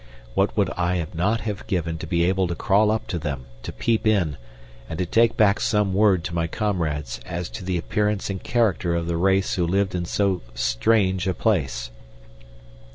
What would I not have given to be able to crawl up to them, to peep in, and to take back some word to my comrades as to the appearance and character of the race who lived in so strange a place!